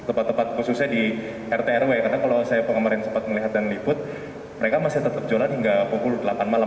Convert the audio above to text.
tempat tempat khususnya di rt rw karena kalau saya kemarin sempat melihat dan liput mereka masih tetap jualan hingga pukul delapan malam